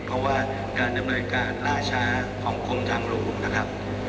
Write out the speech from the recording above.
เพราะว่าการดำเนินการล่าช้าของกรมทางหลวงนะครับ